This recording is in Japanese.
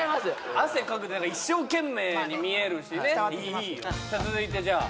汗かくと一生懸命に見えるしねいいよさあ続いてじゃあ